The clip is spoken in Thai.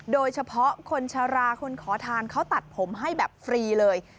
โดยเฉพาะคนชะลาคนขอทานเขาตัดผมให้แบบฟรีเลย